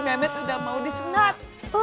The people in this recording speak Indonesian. mehmet udah mau disunat